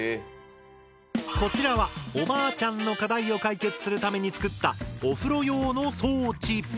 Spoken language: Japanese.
こちらはおばあちゃんの課題を解決するために作ったお風呂用の装置。